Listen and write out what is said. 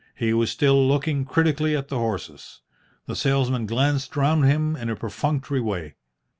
He was still looking critically at the horses. The salesman glanced round him in a perfunctory way.